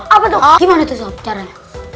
apa tuh gimana tuh sob caranya